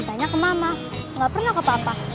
tanya ke mama gak pernah ke papa